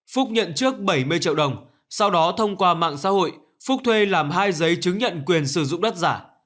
phúc nhận trước bảy mươi triệu đồng sau đó thông qua mạng xã hội phúc thuê làm hai giấy chứng nhận quyền sử dụng đất giả